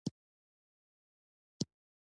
افغانستان د چرګانو په اړه مشهور تاریخی روایتونه لري.